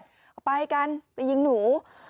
ก็ไปกันไปยิงหนู